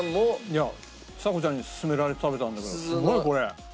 いやちさ子ちゃんに勧められて食べたんだけどすごいこれ。